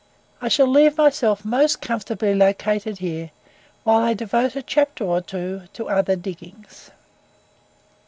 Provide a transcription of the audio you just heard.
I shall leave myself most comfortably located here, whilst I devote a chapter or two to other diggings.